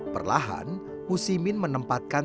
perlahan musimin menempatkan